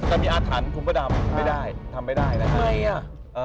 แต่มีอาถรรพ์คุณพระดำไม่ได้ทำไม่ได้นะครับ